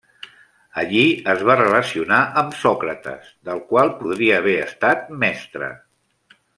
Allí es va relacionar amb Sòcrates, del qual podria haver estat mestre.